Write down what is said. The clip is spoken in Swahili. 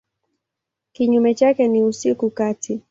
Kinyume chake ni usiku kati.